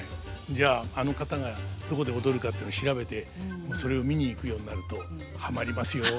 じゃああの方がどこで踊るかっていうの調べてそれを見に行くようになるとはまりますよ。